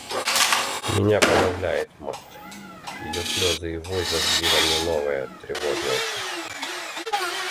Меня подавляет мать; ее слезы и вой зажгли во мне новое, тревожное чувство.